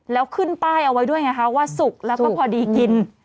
แล้วขึ้นป้ายเอาไว้ด้วยไงคะว่าสุกแล้วก็พอดีกิน